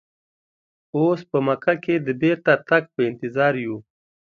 اوس په مکه کې د بیرته تګ په انتظار یو.